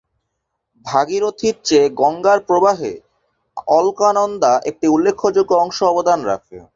ভাগীরথীর চেয়ে গঙ্গার প্রবাহে অলকানন্দা একটি উল্লেখযোগ্য অংশ অবদান রাখে।